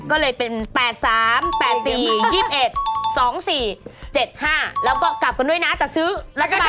ก็เลยเป็น๘๓๘๔๒๑๒๔๗๕แล้วก็กลับกันด้วยนะแต่ซื้อรัฐบาล